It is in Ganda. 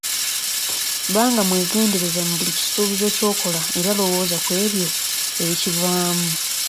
Banga mwegendereza mu buli kisuubizo ky'okola era lowooza ku ebyo ebikivaamu.